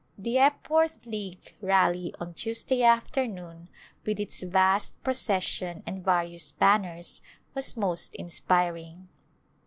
The Epworth League Rally on Tuesday afternoon, with its vast procession and various banners, was most inspiring.